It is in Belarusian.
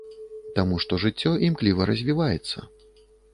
Таму што жыццё імкліва развіваецца.